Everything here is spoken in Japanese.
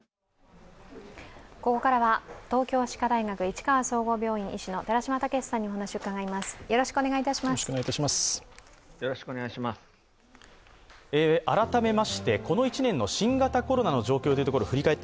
ここからは東京歯科大学市川総合病院医師の寺嶋毅さんにお話を伺います。